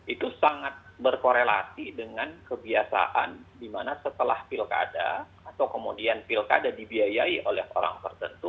itu sangat berkorelasi dengan kebiasaan di mana setelah pilkada atau kemudian pilkada dibiayai oleh orang tertentu